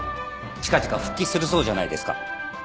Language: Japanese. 近々復帰するそうじゃないですか。